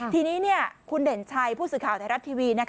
ทีนี้คุณเด่นชัยผู้สื่อข่าวไทยรัฐทีวี